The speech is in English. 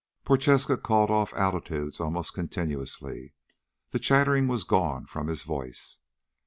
Prochaska called off altitudes almost continuously, the chattering gone from his voice.